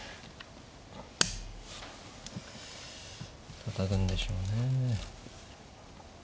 たたくんでしょうね。